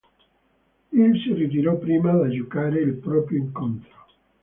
Il si ritirò prima di giocare il proprio incontro.